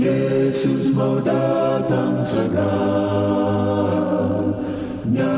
yesus mau datang segera